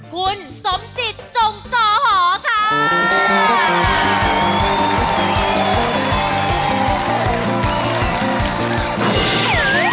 คุณสมจิตจงจอหอค่ะ